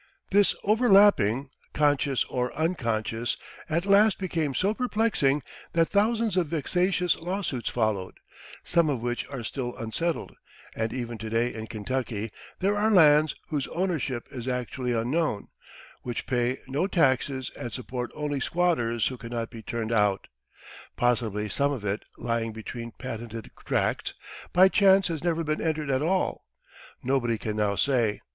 This overlapping, conscious or unconscious, at last became so perplexing that thousands of vexatious lawsuits followed, some of which are still unsettled; and even to day in Kentucky there are lands whose ownership is actually unknown, which pay no taxes and support only squatters who can not be turned out possibly some of it, lying between patented tracts, by chance has never been entered at all. Nobody can now say.